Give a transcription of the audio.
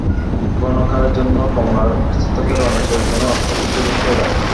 ক্ষণকালের জন্য কমলার অস্তিত্বকে রমেশের যেন অসহ্য বোধ হইল।